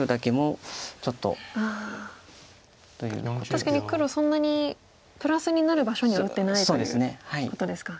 確かに黒そんなにプラスになる場所には打ってないということですか。